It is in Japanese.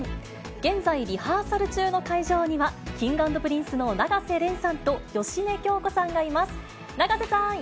現在、リハーサル中の会場には、Ｋｉｎｇ＆Ｐｒｉｎｃｅの永瀬廉さんと芳根京子さんがいます。